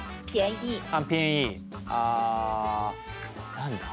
何だ？